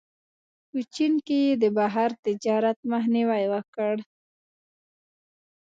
په چین کې یې د بهر تجارت مخنیوی وکړ.